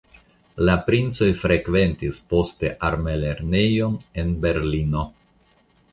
La princoj frekventis poste armelernejon en Berlino.